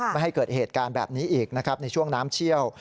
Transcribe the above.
ไม่ให้เกิดเหตุการณ์แบบนี้อีกนะครับในช่วงน้ำเชี่ยว